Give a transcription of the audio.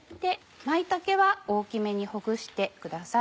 舞茸は大きめにほぐしてください。